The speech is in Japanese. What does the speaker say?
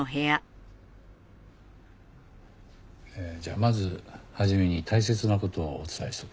じゃあまず初めに大切な事をお伝えしておくね。